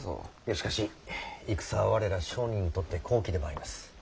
しかし戦は我ら商人にとって好機でもあります。